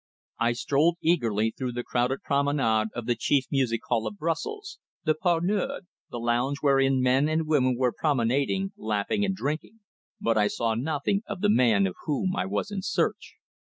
I strolled eagerly through the crowded promenade of the chief music hall of Brussels the Pole Nord, the lounge wherein men and women were promenading, laughing, and drinking, but I saw nothing of the man of whom I was in search.